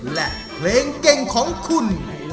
และเพลงเก่งของคุณ